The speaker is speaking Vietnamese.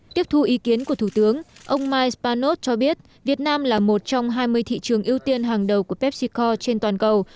tiếp thu ý kiến của thủ tướng ông mike spanos cho biết việt nam là một trong hai mươi thị trường ưu tiên hàng đầu của pepsico trên toàn cầu